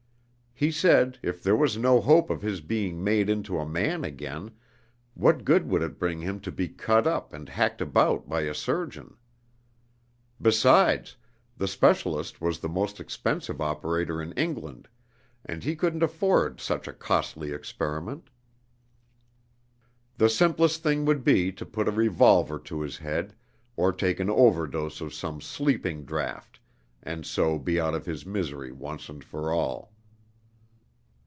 He said, if there was no hope of his being made into a man again, what good would it bring him to be cut up and hacked about by a surgeon? Besides, the specialist was the most expensive operator in England, and he couldn't afford such a costly experiment. The simplest thing would be to put a revolver to his head, or take an overdose of some sleeping draft, and so to be out of his misery once and for all.